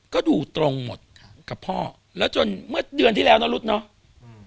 ก็ดูตรงหมดกับพ่อแล้วจนเดือนที่แล้วเนาะรุ๊ดเนาะ